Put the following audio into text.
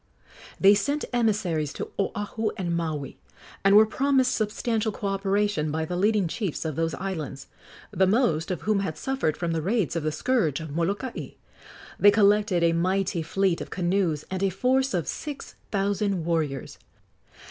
They sent emissaries to Oahu and Maui, and were promised substantial co operation by the leading chiefs of those islands, the most of whom had suffered from the raids of the scourge of Molokai. They collected a mighty fleet of canoes and a force of six thousand warriors.